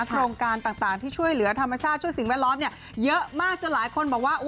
โครงการต่างที่ช่วยเหลือธรรมชาติช่วยสิ่งแวดล้อมเนี่ยเยอะมากจนหลายคนบอกว่า